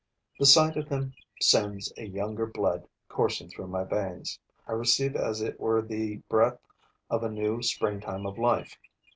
The sight of them sends a younger blood coursing through my veins; I receive as it were the breath of a new springtime of life.